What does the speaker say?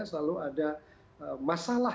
selalu ada masalah